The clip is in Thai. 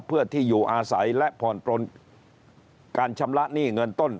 เพื่อที่อยู่อาศัยและผ่อนปลนการชำระหนี้เงินต้น